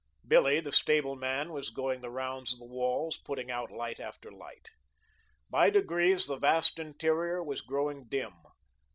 Billy, the stableman, was going the rounds of the walls, putting out light after light. By degrees, the vast interior was growing dim.